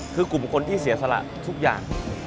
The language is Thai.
คือกลุ่มคนที่เสียสละทุกอย่าง